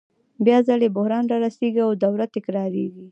بیا ځلي بحران رارسېږي او دوره تکرارېږي